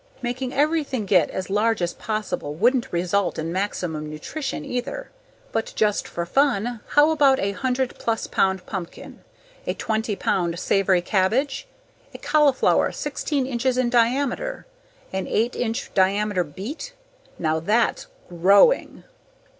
Making everything get as large as possible wouldn't result in maximum nutrition either. But just for fun, how about a 100 plus pound pumpkin? A twenty pound savoy cabbage? A cauliflower sixteen inches in diameter? An eight inch diameter beet? Now that's GROWing!